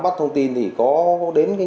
chúng tôi đã có